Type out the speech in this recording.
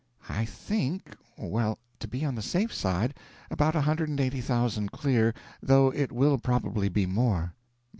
"I think well, to be on the safe side, about a hundred and eighty thousand clear, though it will probably be more."